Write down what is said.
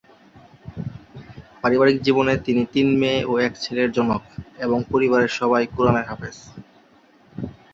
পারিবারিক জীবনে তিনি তিন মেয়ে ও এক ছেলের জনক এবং পরিবারের সবাই কুরআনের হাফেজ।